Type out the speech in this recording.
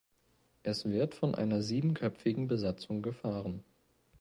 Es wird von einer siebenköpfigen Besatzung gefahren.